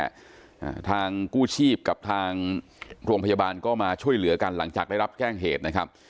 อ่าทางกู้ชีพกับทางโรงพยาบาลก็มาช่วยเหลือกันหลังจากได้รับแจ้งเหตุนะครับ